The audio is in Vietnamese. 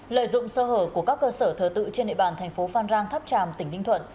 lợi dụng sơ hở của các cơ sở thờ tự trên địa bàn thành phố phan rang tháp tràm tỉnh ninh thuận